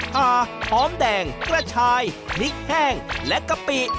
หาหอมแดงกระชายพริกแห้งและกะปิ